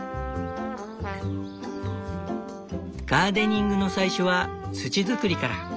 ガーデニングの最初は土づくりから。